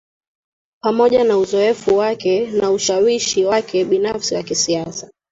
Pamoja na uzoefu wake na ushawishi wake binafsi wa kisiasa